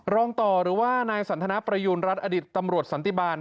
รองต่อหรือว่านายสันทนาประยูณรัฐอดิษฐ์ตำรวจสันติบาล